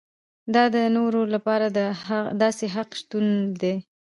دا د نورو لپاره د داسې حق شتون دی.